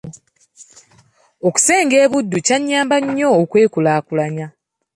Okusenga e Buddu kwannyamba nnyo okwekulaakulanya.